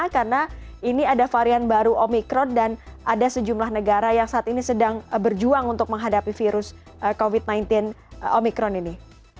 karena ini ada varian baru omikron dan ada sejumlah negara yang saat ini sedang berjuang untuk menghadapi virus covid sembilan belas omikron ini